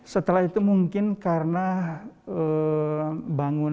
setelah itu mungkin karena bangunan